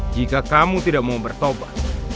jika kamu tidak mau bertobat